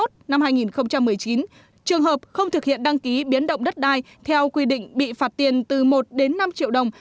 trường hợp không thực hiện đăng ký biến động đất đai theo quy định bị phạt tiền từ một đến năm triệu đồng